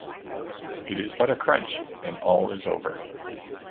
It is but a crunch, and all is over.